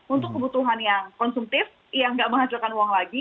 untuk kebutuhan yang konsumtif yang nggak menghasilkan uang lagi